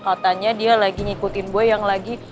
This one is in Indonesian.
katanya dia lagi ngikutin gue yang lagi